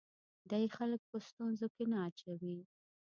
دی خلک په ستونزو کې نه اچوي.